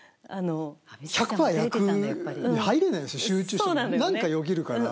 １００パー役に入れないし、集中しても、なんかよぎるから。